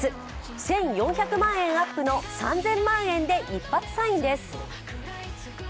１４００万円アップの３０００万円で一発サインです。